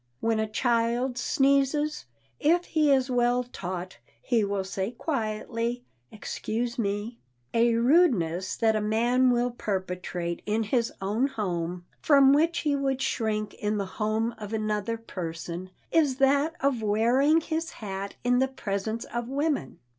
When a child sneezes, if he is well taught he will say quietly, "Excuse me." A rudeness that a man will perpetrate in his own home, from which he would shrink in the home of another person, is that of wearing his hat in the presence of women.